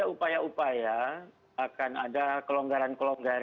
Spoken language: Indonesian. ada upaya upaya akan ada kelonggaran kelonggaran ini